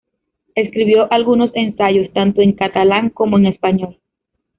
Escribió algunos ensayos, tanto en catalán como en español.